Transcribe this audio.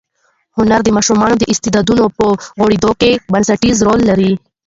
هنر د ماشومانو د استعدادونو په غوړېدو کې بنسټیز رول لري.